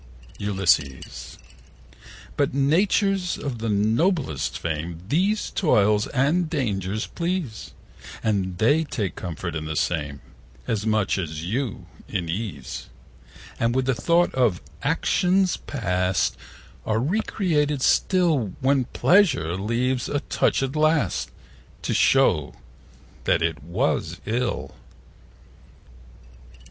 40 Ulysses.But natures of the noblest frame These toils and dangers please; And they take comfort in the same As much as you in ease; And with the thought of actions past 45 Are recreated still: When Pleasure leaves a touch at last To show that it was ill.